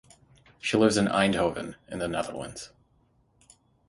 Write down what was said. She lives in Eindhoven in the Netherlands.